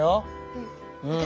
うん。